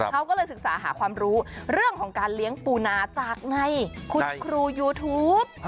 เขาก็เลยศึกษาหาความรู้เรื่องของการเลี้ยงปูนาจากไงคุณครูยูทูป